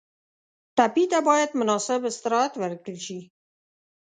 ټپي ته باید مناسب استراحت ورکړل شي.